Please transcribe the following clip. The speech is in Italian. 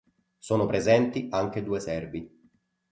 Sono presenti anche due servi.